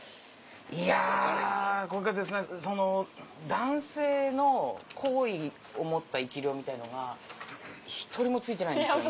いやこれがその男性の好意を持った生き霊みたいなのが１人も憑いてないんですよね。